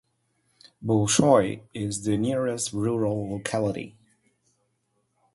Bolshoye is the nearest rural locality.